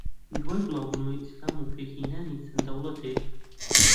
دوای بڵاوبونەوەی ئیسلام و پێکھێنانی چەند دەوڵەتێک